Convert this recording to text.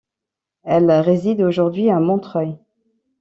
Elle réside aujourd'hui à Montreuil.